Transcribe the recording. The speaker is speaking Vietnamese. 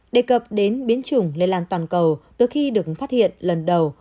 đề cập đến biến chủng lây lan toàn cầu từ khi được phát hiện lần đầu